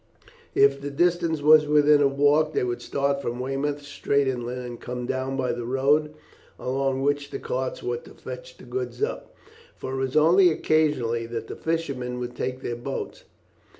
If the distance was within a walk they would start from Weymouth straight inland, and come down by the road along which the carts were to fetch the goods up, for it was only occasionally that the fishermen would take their boats.